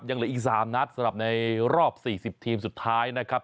ยังเหลืออีก๓นัดสำหรับในรอบ๔๐ทีมสุดท้ายนะครับ